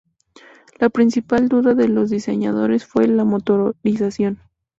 La principal duda de los diseñadores fue la motorización.